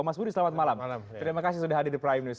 mas budi selamat malam